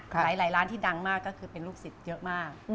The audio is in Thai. หลายร้านที่ดังมากก็คือเป็นลูกศิษย์เยอะมาก